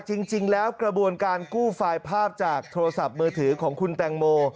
จริงแล้วกระบวนการกู้ไฟล์ภาพจากโทรศัพท์มือถือของคุณแตงโม